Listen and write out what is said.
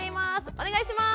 お願いします。